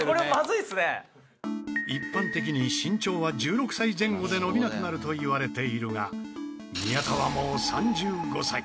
一般的に身長は１６歳前後で伸びなくなるといわれているが宮田はもう３５歳。